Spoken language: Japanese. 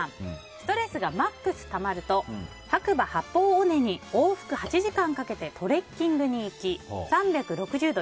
ストレスがマックスたまると白馬八方尾根に往復８時間かけてトレッキングに行き３６０度